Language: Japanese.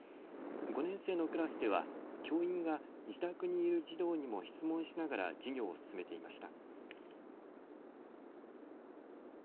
５年生のクラスでは教員が自宅にいる児童にも質問しながら授業を進めていました。